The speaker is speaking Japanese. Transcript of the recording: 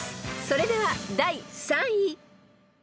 ［それでは第３位］